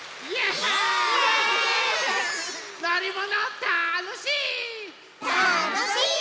たのしい！